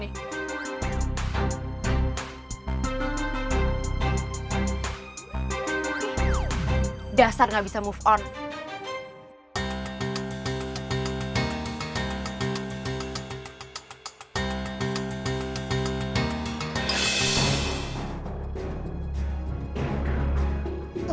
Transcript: dih udah gue nggak ngapain lagi di sini